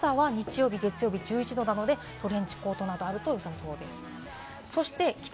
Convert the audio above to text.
そして、朝は日曜日・月曜日１１度なので、トレンチコートなどがあると良さそうです。